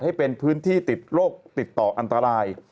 ให้เป็นพื้นที่ติดโรคติดต่ออันตราย